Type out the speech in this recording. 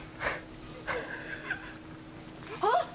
あっ！